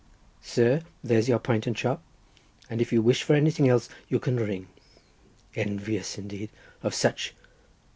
Sir, there's your pint and chop, and if you wish for anything else you can ring. Envious, indeed, of such.